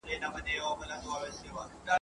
په کلي کي یو نوی ښوونځی جوړ سوی دئ.